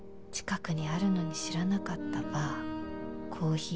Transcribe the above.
近くにあるのに知らなかったバー